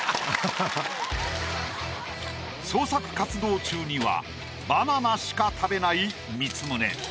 創作活動中にはバナナしか食べない光宗。